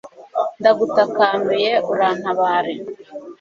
ndagutakambiye, urantabare